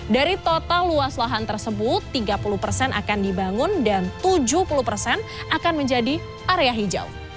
dari total luas lahan tersebut tiga puluh persen akan dibangun dan tujuh puluh persen akan menjadi area hijau